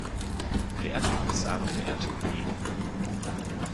Verehrte Kommissare, verehrte Kollegen!